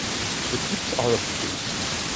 The tips are obtuse.